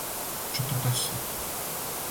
четрдесет